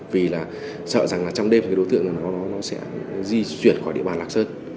vì là sợ rằng trong đêm đối tượng nó sẽ di chuyển khỏi địa bàn lạc sơn